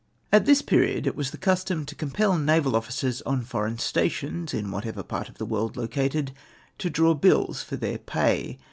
A t this period it was the custom to compel naval officers on foreign stations, m whatever part of the world located, to draw bills for their pay.